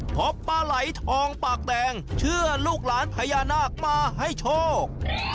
พบปลาไหลทองปากแดงเชื่อลูกหลานพญานาคมาให้โชค